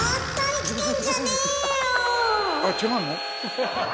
あ違うの？